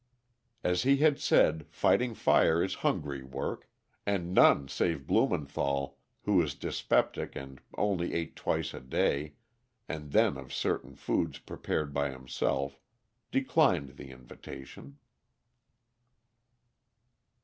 As he had said, fighting fire is hungry work, and none save Blumenthall, who was dyspeptic and only ate twice a day, and then of certain foods prepared by himself, declined the invitation.